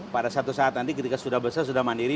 pada satu saat nanti ketika sudah besar sudah mandiri